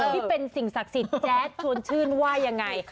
ที่เป็นสิ่งศักดิ์สิทธิ์แจ๊ดชวนชื่นว่ายังไง